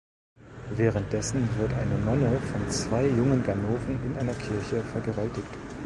Währenddessen wird eine Nonne von zwei jungen Ganoven in einer Kirche vergewaltigt.